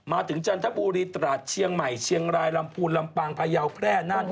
จันทบุรีตราดเชียงใหม่เชียงรายลำพูนลำปางพยาวแพร่นั่น